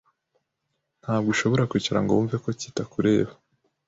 Nta bwo ushobora kwicara ngo wumve ko cyitakureba